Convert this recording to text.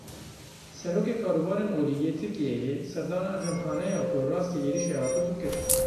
Serokê Karûbarên Olî yê Tirkiyeyê serdana cemxaneya ku rastî êrişê hatibû, kir.